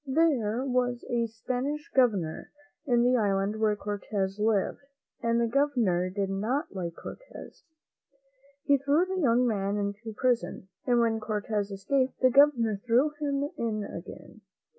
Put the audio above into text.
There was a Spanish Governor in the island where Cortez lived, and the Governor did not like Cortez. He threw the young man into prison, and when Cortez escaped, the Governor threw him in again.